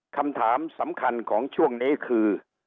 คำถามสำคัญของช่วงนี้คือ